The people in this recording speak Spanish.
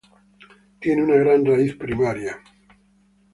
Tiene una gran raíz primaria.